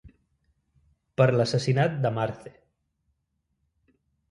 Per l'assassinat de Marthe.